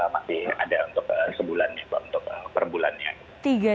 masih ada untuk sebulan untuk perbulannya